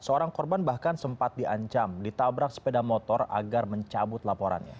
seorang korban bahkan sempat diancam ditabrak sepeda motor agar mencabut laporannya